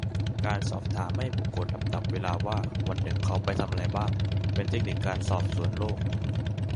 การสอบถามให้บุคคลลำดับเวลาว่าวันหนึ่งเขาไปไหนทำอะไรบ้าง เป็นเทคนิคการสอบสวนโรค